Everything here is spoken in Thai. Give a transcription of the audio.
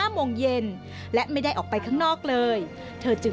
ทำไมเราต้องเป็นแบบเสียเงินอะไรขนาดนี้เวรกรรมอะไรนักหนา